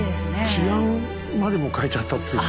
治安までも変えちゃったっつか。